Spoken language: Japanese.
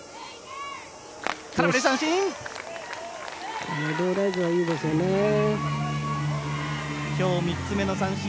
空振り三振！